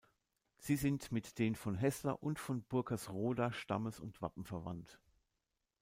Sie sind mit den von Heßler und von Burkersroda stammes- und wappenverwandt.